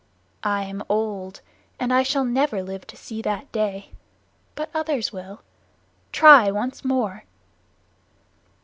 I am old, and I shall never live to see that day, but others will. Try once more."